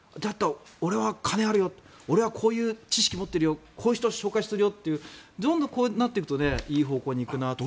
俺は金あるよ俺はこういう知識持ってるよこういう人紹介するよってどんどんこうなっていくといい方向に行くなと。